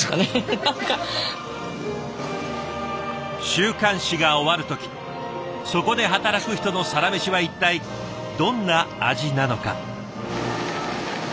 週刊誌が終わる時そこで働く人のサラメシは一体どんな味なのか。